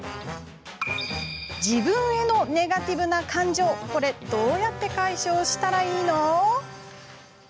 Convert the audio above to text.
自分へのネガティブな感情どうやって解消したらいいの？